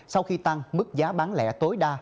sau khi tăng mức giá bán lẻ tối đa